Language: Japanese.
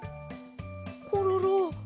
コロロ。